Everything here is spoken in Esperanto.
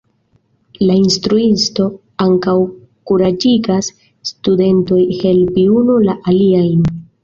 La instruisto ankaŭ kuraĝigas studentojn helpi unu la aliajn.